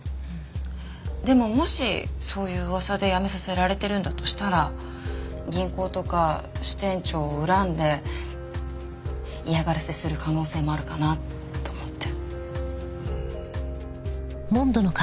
でももしそういう噂で辞めさせられてるんだとしたら銀行とか支店長を恨んで嫌がらせする可能性もあるかなと思って。